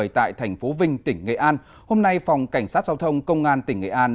tại thành phố vinh tỉnh nghệ an hôm nay phòng cảnh sát giao thông công an tỉnh nghệ an